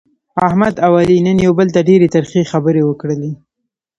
احمد او علي نن یو بل ته ډېرې ترخې خبرې وکړلې.